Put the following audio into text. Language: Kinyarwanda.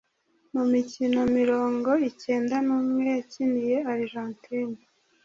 mu mikino mirongo icyenda numwe yakiniye Argentine,